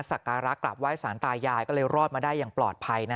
สักการะกลับไห้สารตายายก็เลยรอดมาได้อย่างปลอดภัย